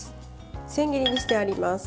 千切りにしてあります。